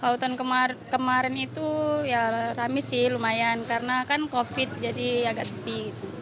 kalau tahun kemarin itu ya rame sih lumayan karena kan covid jadi agak sepi